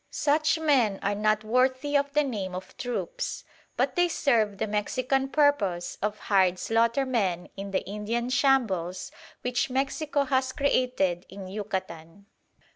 Such men are not worthy of the name of troops; but they serve the Mexican purpose of hired slaughtermen in the Indian shambles which Mexico has created in Yucatan.